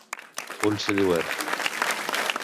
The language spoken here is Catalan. Ulls de lluert.